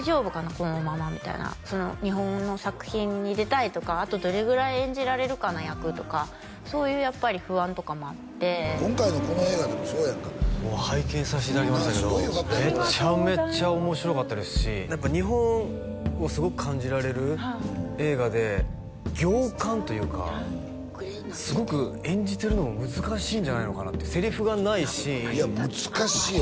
このままみたいな日本の作品に出たいとかあとどれぐらい演じられるかな役とかそういうやっぱり不安とかもあって今回のこの映画でもそうやんか拝見させていただきましたけどなあすごいよかったよこれめちゃめちゃ面白かったですし日本をすごく感じられる映画で行間というかすごく演じてるのも難しいんじゃないのかなってセリフがないしいや難しいよ